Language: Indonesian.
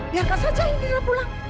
biarkan saja indira pulang